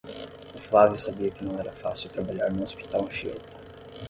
O Flávio sabia que não era fácil trabalhar no Hospital Anchieta.